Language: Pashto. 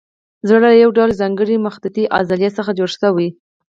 زړه له یو ډول ځانګړې مخططې عضلې څخه جوړ شوی.